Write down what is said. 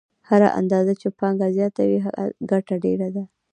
هره اندازه چې پانګه زیاته وي ګټه ډېره ده